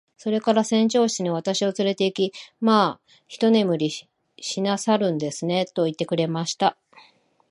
それから船長室に私をつれて行き、「まあ一寝入りしなさるんですね。」と言ってくれました。